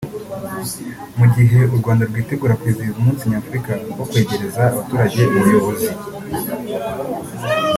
Mu gihe u Rwanda rwitegura kwizihiza umunsi Nyafurika wo kwegereza abaturage ubuyobozi